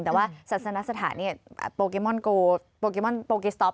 แต่ว่าสัชนาสถาณโปรแกยมอนโกห์ปอลเกสโต๊ป